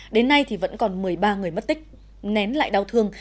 đến nay thì vẫn còn một mươi ba người mất tích nén lại đau thương